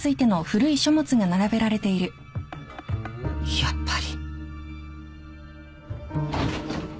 やっぱり。